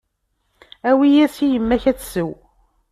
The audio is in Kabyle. Awi-yas i yemma-k ad tsew.